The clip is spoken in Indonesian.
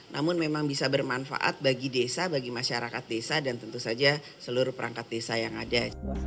namun memang bisa bermanfaat bagi desa bagi masyarakat desa dan tentu saja seluruh perangkat desa yang ada